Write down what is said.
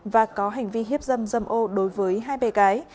và có hành vi hiếp dâm dâm ô đối với hai bé gái